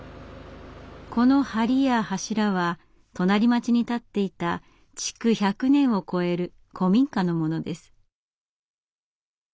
この梁や柱は隣町に建っていた築１００年を超える古民家のものです。